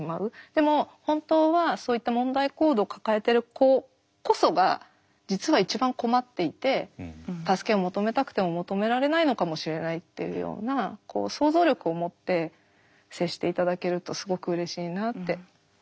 でも本当はそういった問題行動を抱えてる子こそが実は一番困っていて助けを求めたくても求められないのかもしれないっていうような想像力を持って接して頂けるとすごくうれしいなって。